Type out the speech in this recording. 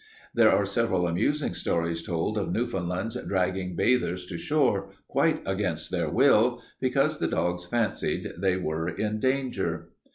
There are several amusing stories told of Newfoundlands dragging bathers to shore, quite against their wills, because the dogs fancied they were in danger.